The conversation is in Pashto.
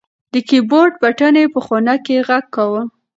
د کیبورډ بټنې په خونه کې غږ کاوه.